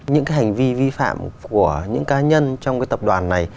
những hành vi vi phạm của những cá nhân trong tập đoàn này